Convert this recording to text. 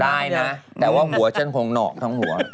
ได้นะแต่ว่าหัวฉันคงหนอกทั้งหัว